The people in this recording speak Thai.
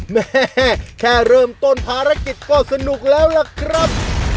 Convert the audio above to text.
แม่แค่เริ่มต้นภารกิจก็สนุกแล้วล่ะครับ